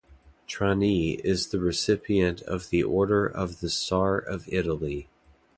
Trani is the recipient of the Order of the Star of Italy.